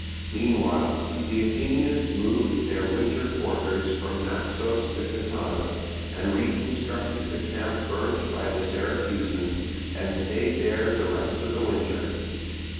Meanwhile the Athenians moved their winter quarters from Naxos to Catana, and reconstructed the camp burnt by the Syracusans, and stayed there the rest of the winter.